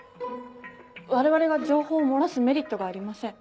我々が情報を漏らすメリットがありません。